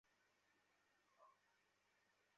দরকার নেই, ভাই।